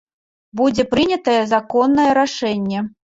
Будзе прынятае законнае рашэнне.